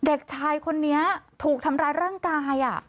เด็กชายคนนี้ถูกทำร้ายร่างกาย